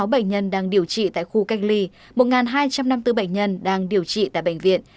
một trăm năm mươi sáu bệnh nhân đang điều trị tại khu cách ly một hai trăm năm mươi bốn bệnh nhân đang điều trị tại bệnh viện